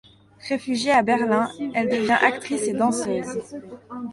Réfugiée à Berlin, elle devient actrice et danseuse.